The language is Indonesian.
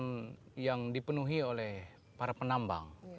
ini adalah kawasan yang dipenuhi oleh para penambang